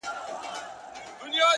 ستا د تصور تصوير كي بيا يوه اوونۍ جگړه،